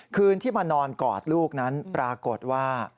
คืนที่มานอนกอดลูกนั้นปรากฏว่า